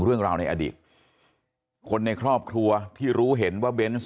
เรื่องราวในอดีตคนในครอบครัวที่รู้เห็นว่าเบนส์